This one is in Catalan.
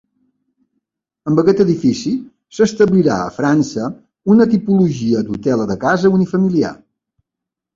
Amb aquest edifici s'establirà a França una tipologia d'hotel de casa unifamiliar.